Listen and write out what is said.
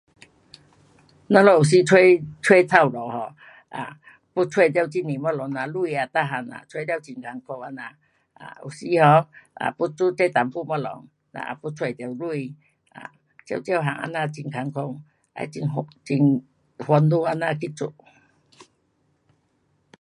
咱们有时找，找头路 um 啊，就找到很多东西呐，钱啊每样呐，找到很困苦这样，啊，有时 um 要做这一点东西，咱也要找到钱，啊，各各样这样很困苦，很烦恼这样这阵